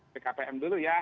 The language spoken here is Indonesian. pkpm dulu ya